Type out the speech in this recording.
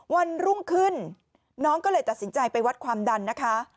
วันรุ่งขึ้นน้องก็เลยตัดสินใจไปวัดความดันนะคะ